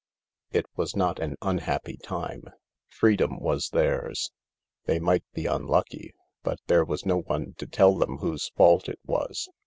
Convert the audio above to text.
It was not an unhappy time. Freedom was theirs. They might be unlucky, but there was no one to tell them whose fault it was.